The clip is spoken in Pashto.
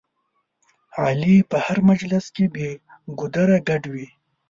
علي په هر مجلس کې بې ګودره ګډ وي.